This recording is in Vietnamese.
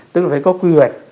tức là phải có quy hoạch